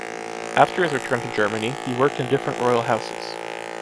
After his return to Germany, he worked in different royal houses.